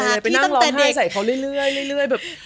ไปนั่งร้องไห้ใส่เขาเรื่อย